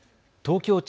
東京